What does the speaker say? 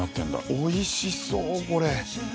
おいしそうこれ。